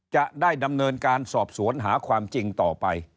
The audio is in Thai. จะได้ดำเนินการสอบสวนหาความจริงต่อไป